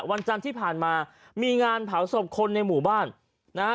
วันจันทร์ที่ผ่านมามีงานเผาศพคนในหมู่บ้านนะฮะ